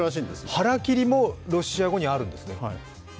腹切りもロシア語にあるんですね。